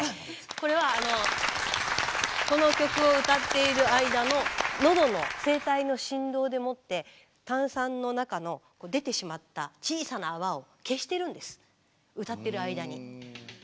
これはこの曲を歌っている間ののどの声帯の振動でもって炭酸の中の出てしまった小さな泡を消してるんです歌ってる間に。